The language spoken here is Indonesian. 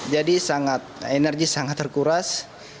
jadi energi sangat terkuras